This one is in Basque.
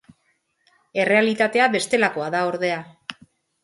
Errealitatea bestelakoa da ordea.